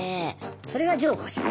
それがジョーカーじゃん。